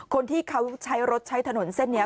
คนที่เขาใช้รถใช้ถนนเส้นนี้